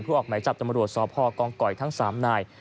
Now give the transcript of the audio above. เพื่อออกใหม่จับตำรวจศพกทั้ง๓นาย